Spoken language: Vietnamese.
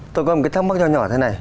tôi có một cái thắc mắc nhỏ nhỏ thế này